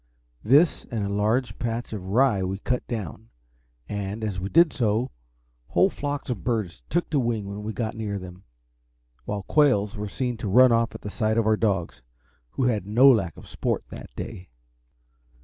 This, and a large patch of rye we cut down, and, as we did so, whole flocks of birds took to wing when we got near them, while quails were seen to run off at the sight of our dogs, who had no lack of sport that day.